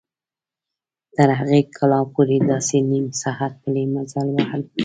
تر هغې کلا پورې داسې نیم ساعت پلي مزل و.